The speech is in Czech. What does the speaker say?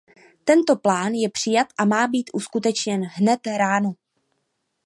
Tento plán je přijat a má být uskutečněn hned ráno.